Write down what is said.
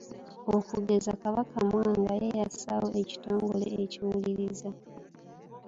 Okugeza Kabaka Mwanga ye yassaawo ekitongole ekiwuliriza.